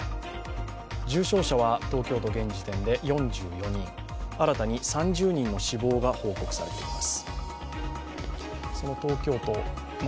重症者は東京都、現時点で４４人新たに３０人の死亡が報告されています。